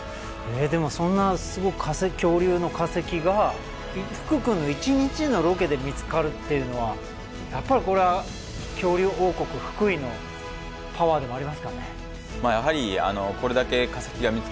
でもそんなすごい恐竜の化石が福くんの一日のロケで見つかるっていうのはやっぱりこれは恐竜王国福井のパワーでもありますかね。